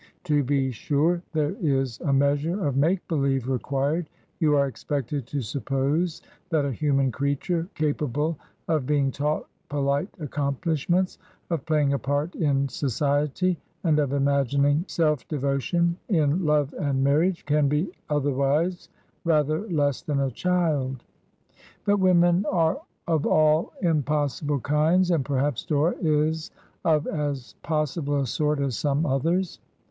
To be sure, there is a me5isure of make believe required; you are expected to suppose that a human creature, capable of being taught polite accomphshments, of playing a part in so ciety, and of imagining self devotion in love and mar riage, can be otherwise rather less than a child; but women are of all impossible kinds, and perhaps Dora is of as possible a sort as some others.